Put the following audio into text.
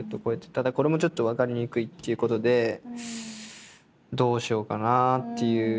ただこれもちょっと分かりにくいっていうことでどうしようかなっていう。